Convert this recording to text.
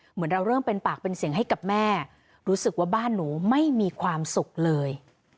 เหมือนเราเริ่มเป็นปากเป็นเสียงให้กับแม่รู้สึกว่าบ้านหนูไม่มีความสุขเลย